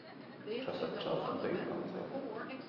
Час ад часу даю канцэрты.